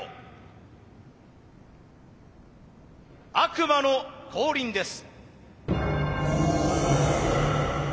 悪魔の降臨です。